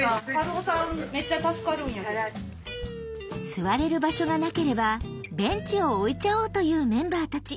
座れる場所がなければベンチを置いちゃおうというメンバーたち。